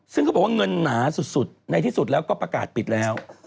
ซึ่งเขาบอกว่าเงินหนาสุดในที่สุดแล้วก็ประกาศปิดแล้ว